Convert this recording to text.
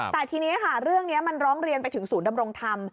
แต่ทีนี้ค่ะเรื่องนี้มันร้องเรียนไปถึงศูนย์ดำรงธรรม